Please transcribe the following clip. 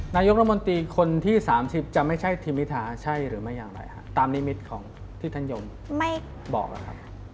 นายกรมนตรีคนที่๓๐จะไม่ใช่ทิมิทาใช่หรือไม่อย่างไรครับตามนิมิตของที่ท่านยมบอกแล้วครับ